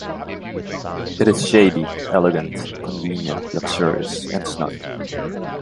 It is shady, elegant, convenient, luxurious, and snug.